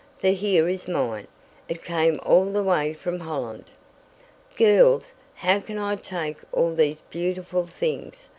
"For here is mine it came all the way from Holland!" "Girls! How can I take all these beautiful things?